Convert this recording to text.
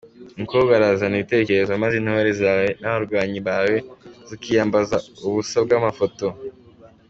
Umukobwa arazana ibitekerezo, maze intore zawe n’abarwanyi bawe zikiyambaza ubusa bw’amafoto?